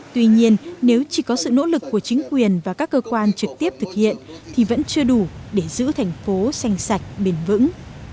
tuy nhiên nếu chỉ có sự nỗ lực của chính quyền và các cơ quan trực tiếp thực hiện thì vẫn chưa đủ để giữ thành phố xanh sạch bền vững